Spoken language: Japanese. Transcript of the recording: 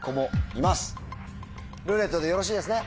「ルーレット」でよろしいですね？